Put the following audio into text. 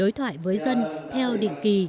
đối thoại với dân theo định kỳ